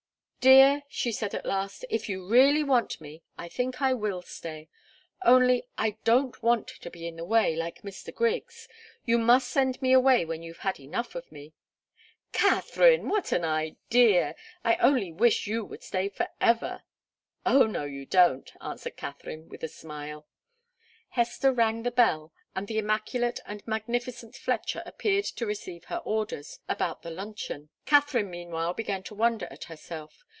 "Dear," she said at last, "if you really want me, I think I will stay. Only I don't want to be in the way, like Mr. Griggs. You must send me away when you've had enough of me." "Katharine! What an idea! I only wish you would stay forever." "Oh, no, you don't!" answered Katharine, with a smile. Hester rang the bell, and the immaculate and magnificent Fletcher appeared to receive her orders about the luncheon. Katharine meanwhile began to wonder at herself.